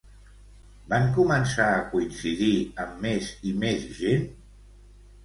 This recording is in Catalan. Van començar a coincidir amb més i més gent?